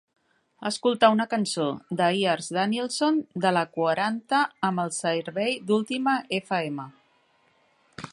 Escoltar una cançó de lars Danielsson de la quaranta amb el servei d'última FM